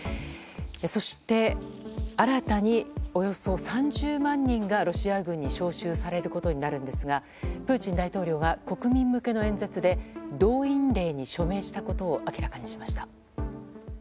そして、新たにおよそ３０万人がロシア軍に招集されることになるんですがプーチン大統領が国民向けの演説で動員令に署名したことを明らかにしました。